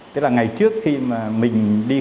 tức là ngày trước khi mình đi khám bệnh đến bệnh viện